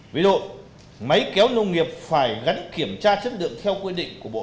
ví dụ máy kéo nông nghiệp phải gắn kiểm tra chất lượng theo quy định của bộ